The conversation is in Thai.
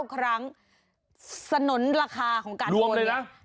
๙ครั้งสนุนราคาของการโอนเลยนะ